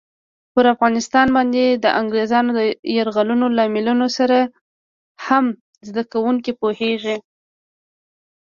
پر افغانستان باندې د انګریزانو یرغلونو لاملونو سره هم زده کوونکي پوهېږي.